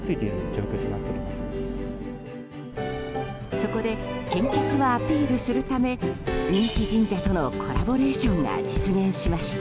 そこで献血をアピールするため人気神社とのコラボレーションが実現しました。